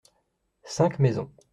Cinq maisons.